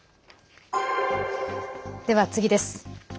では、次です。